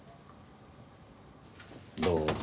どうぞ。